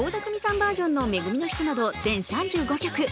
バージョンの「め組のひと」など全３５曲。